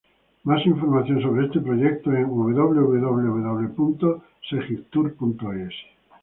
Mas info sobre este proyecto en: www.segittur.es